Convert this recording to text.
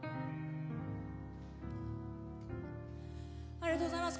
ありがとうございます。